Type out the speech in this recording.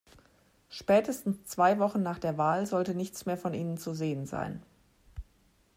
Spätestens zwei Wochen nach der Wahl sollte nichts mehr von ihnen zu sehen sein.